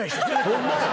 ホンマや！